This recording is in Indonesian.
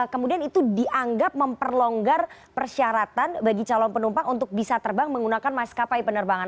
kemudian itu dianggap memperlonggar persyaratan bagi calon penumpang untuk bisa terbang menggunakan maskapai penerbangan